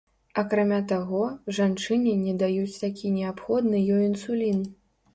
Акрамя таго, жанчыне не даюць такі неабходны ёй інсулін.